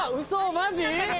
マジ？